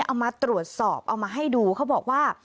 เอามาตรวจสอบเอามาให้ดูเขาบอกว่า